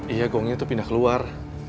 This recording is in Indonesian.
iya gongnya itu pindah keluar